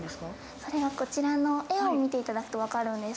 それはこちらの絵を見ていただくと分かります。